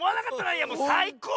いやもうさいこう！